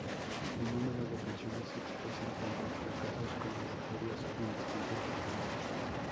Un número de canciones expresan tanto fracasos como victorias en distintos romances.